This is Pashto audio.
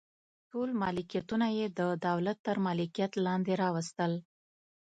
ټول ملکیتونه یې د دولت تر مالکیت لاندې راوستل.